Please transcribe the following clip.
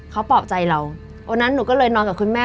เขาปลอบใจเราวันนั้นหนูก็เลยนอนกับคุณแม่